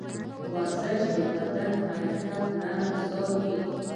ورزش د بدن حرکات نرم ساتي.